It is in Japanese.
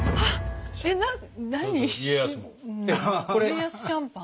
家康シャンパン？